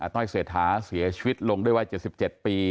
ต้อยเศรษฐาเสียชีวิตลงด้วยวัย๗๗ปี